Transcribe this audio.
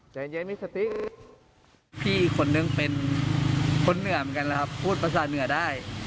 ผู้ชื่อคนหนึ่งคนเหนือก็พูดภาษาเหนือได้